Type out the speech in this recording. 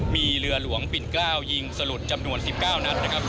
มีเรือหลวงปิ่นเกล้าวยิงสลุดจำนวน๑๙นัดนะครับ